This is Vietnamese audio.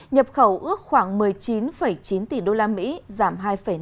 nhập khẩu ước khoảng một mươi chín chín tỷ đô la mỹ giảm hai năm